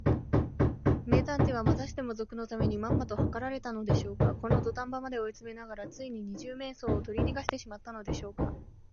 名探偵は、またしても賊のためにまんまとはかられたのでしょうか。このどたん場まで追いつめながら、ついに二十面相をとりにがしてしまったのでしょうか。